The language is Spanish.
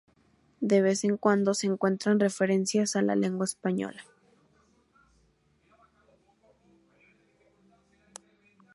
De vez en cuando se encuentran referencias a la lengua española.